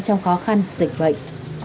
trong khó khăn dịch bệnh